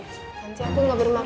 tanti aku gak bermaksud